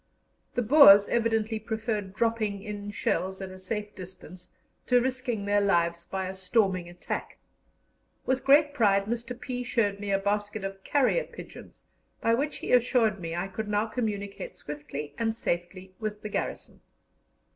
The Boers evidently preferred dropping in shells at a safe distance to risking their lives by a storming attack. With great pride Mr. P. showed me a basket of carrier pigeons, by which he assured me I could now communicate swiftly and safely with the garrison.